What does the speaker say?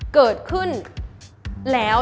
เกิดขึ้นแล้ว